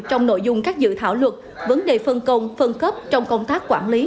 trong nội dung các dự thảo luật vấn đề phân công phân cấp trong công tác quản lý